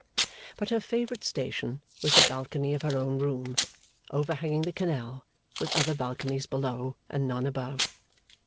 But her favourite station was the balcony of her own room, overhanging the canal, with other balconies below, and none above.